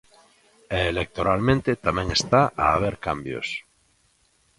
E electoralmente tamén está a haber cambios.